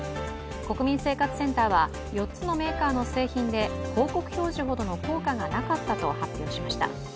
国民生活センターは４つのメーカーの製品で広告表示ほどの効果がなかったと発表しました。